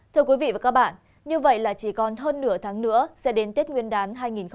thưa quý vị và các bạn như vậy là chỉ còn hơn nửa tháng nữa sẽ đến tết nguyên đán hai nghìn hai mươi